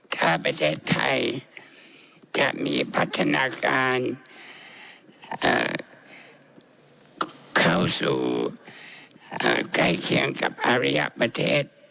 ถ้าประเทศไทยจะมีพัฒนาการเข้าสู่ใกล้เคียงกับอารยะประเทศ